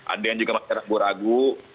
ada yang juga masih ragu ragu